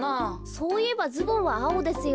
そういえばズボンはあおですよ。